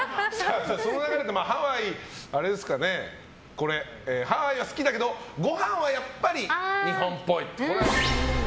その流れで、これハワイは好きだけど「ご飯はやっぱり日本」っぽい。